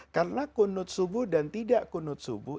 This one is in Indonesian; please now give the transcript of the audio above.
karena kunud subuh dan tidak kunud subuh